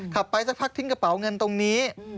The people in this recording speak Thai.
ไปสักพักทิ้งกระเป๋าเงินตรงนี้